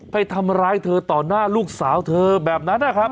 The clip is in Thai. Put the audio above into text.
ไปทำร้ายเธอต่อหน้าลูกสาวเธอแบบนั้นนะครับ